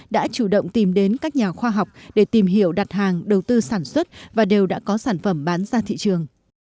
đã chủ động tìm đến các nhà khoa học để tìm hiểu đặt hàng đầu tư sản xuất và đều đã có sản phẩm bán ra thị trường